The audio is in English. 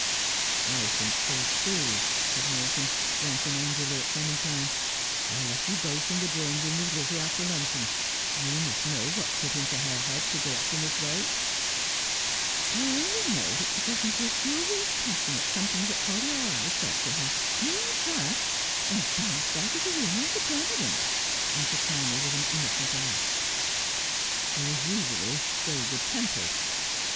'I think so too,' said Morton, glancing angrily at Clemen 'What is the Key to the Enigma?' 307 tine. 'I left you both in the drawing room with Lizzie after luncheon. You must know what put it into her head to go off in this way.' ' I only know that she got into a furious passion at something that Horrie or I said to her — mere diaff — and bounced out of the room like a termagant,' answered Tiny, with an innocent air. ' She is usually so good tempered.